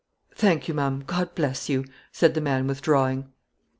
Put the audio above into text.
"Thank you ma'am God bless you," said the man, withdrawing.